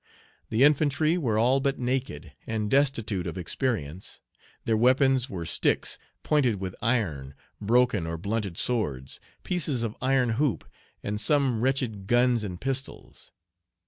The infantry were all but naked, and destitute of experience; their weapons were sticks pointed with iron, broken or blunted swords, pieces of iron hoop, and some wretched guns and pistols.